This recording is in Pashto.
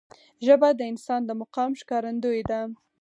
ژبه د انسان د مقام ښکارندوی ده